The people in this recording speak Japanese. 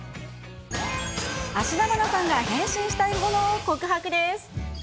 芦田愛菜さんが変身したいものを告白です。